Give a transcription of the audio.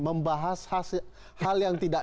membahas hal yang tidak